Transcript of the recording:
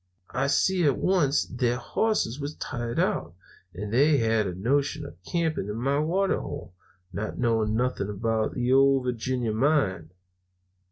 I see at once their hosses was tired out, and they had a notion of camping at my water hole, not knowing nothing about the Ole Virginia mine.